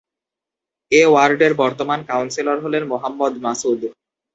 এ ওয়ার্ডের বর্তমান কাউন্সিলর হলেন মোহাম্মদ মাসুদ।